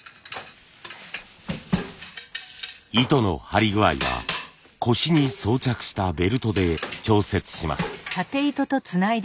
糸の張り具合は腰に装着したベルトで調節します。